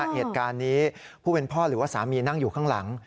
เหตุการณ์นี้ผู้เป็นพ่อหรือว่าสามีนั่งอยู่ข้างหลัง